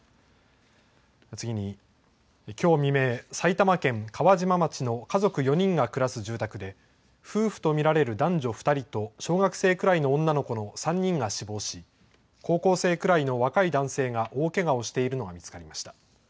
次に、きょう未明、埼玉県川島町の家族４人が暮らす住宅で夫婦と見られる男女２人と小学生くらいの女の子の３人が死亡し高校生くらいの若い男性が大けがをしているのが見つかりました。